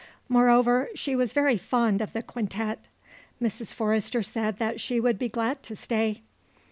Moreover she was very fond of the Quintet. Mrs. Forrester said that she would be glad to stay.